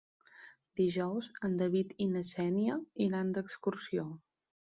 Dijous en David i na Xènia iran d'excursió.